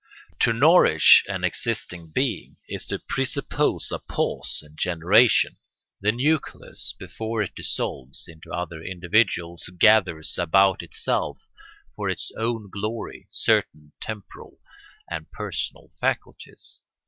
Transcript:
To nourish an existing being is to presuppose a pause in generation; the nucleus, before it dissolves into other individuals, gathers about itself, for its own glory, certain temporal and personal faculties.